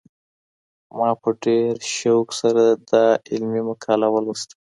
ما په ډېر شوق سره دا علمي مقاله ولوسته.